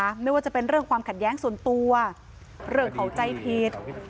ไม่ว่าจะเป็นเรื่องความขัดแย้งส่วนตัวเรื่องของใจผิด